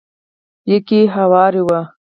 ليکي هوار و.